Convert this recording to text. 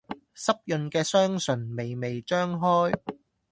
濕潤嘅雙唇，微微張開